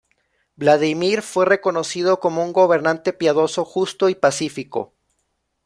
Vladimir fue reconocido como un gobernante piadoso, justo y pacífico.